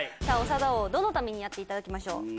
さあ長田王どの民にやっていただきましょう？